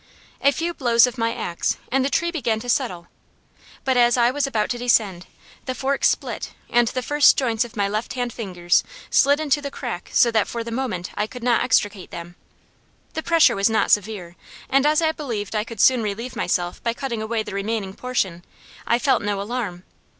A few blows of my axe and the tree began to settle, but as I was about to descend, the fork split and the first joints of my left hand fingers slid into the crack so that for the moment I could not extricate them. The pressure was not severe, and as I believed I could soon relieve myself by cutting away the remaining portion, I felt no alarm.